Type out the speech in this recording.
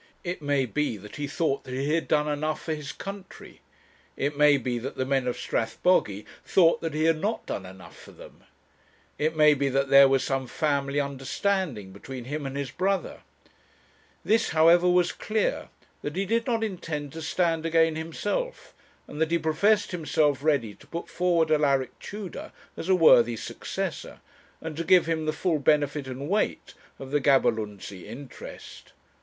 It may be that he thought that he had done enough for his country; it may be that the men of Strathbogy thought that he had not done enough for them; it may be that there was some family understanding between him and his brother. This, however, was clear, that he did not intend to stand again himself, and that he professed himself ready to put forward Alaric Tudor as a worthy successor, and to give him the full benefit and weight of the Gaberlunzie interest.